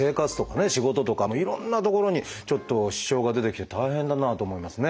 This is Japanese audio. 仕事とかいろんなところにちょっと支障が出てきて大変だなと思いますね。